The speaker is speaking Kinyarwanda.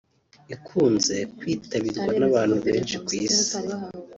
ikunze kwitabirwa n’abantu benshi ku Isi